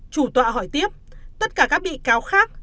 chủ tọa hỏi tiếp tất cả các bị cáo khác